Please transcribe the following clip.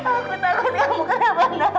aku takut kamu kenapa kenapa